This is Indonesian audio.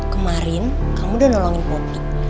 kemarin kamu udah nolongin publik